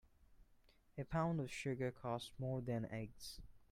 A pound of sugar costs more than eggs.